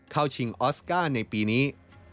ชิงออสการ์ในปีนี้